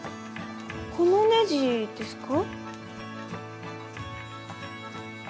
このネジですか。